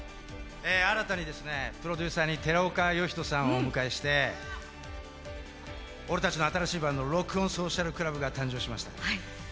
新たにプロデューサーに寺岡呼人さんをお迎えして、俺たちの新しいバンドＲｏｃｋｏｎＳｏｃｉａｌＣｌｕｂが誕生しました。